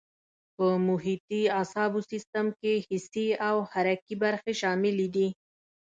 په محیطي اعصابو سیستم کې حسي او حرکي برخې شاملې دي.